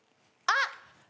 あっ！